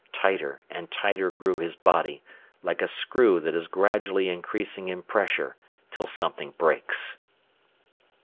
Tighter and tighter grew his body, like a screw that is gradually increasing in pressure, till something breaks.